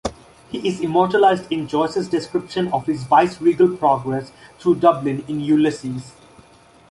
He is immortalized in Joyce's description of his Vice-Regal progress through Dublin in "Ulysses".